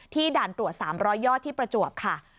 ที่ด่านตรวจสามรอยยอดที่ประจวบค่ะ